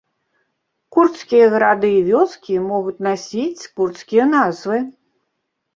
Курдскія гарады і вёскі могуць насіць курдскія назвы.